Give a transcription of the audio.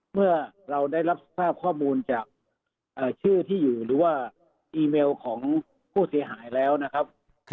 เมื่อเราได้รับทราบข้อมูลจากชื่อที่อยู่หรือว่าอีเมลของผู้เสียหายแล้วนะครับ